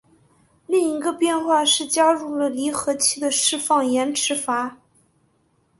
另一个变化是加入了离合器的释放延迟阀。